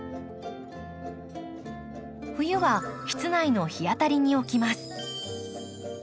冬は室内の日当たりに置きます。